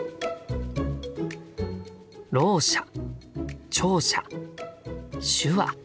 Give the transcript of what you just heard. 「ろう者」「聴者」「手話」。